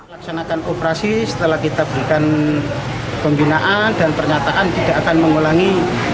laksanakan operasi setelah kita berikan pembinaan dan pernyataan tidak akan mengulangi